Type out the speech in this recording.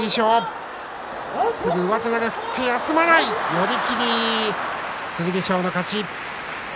寄り切り、剣翔の勝ち。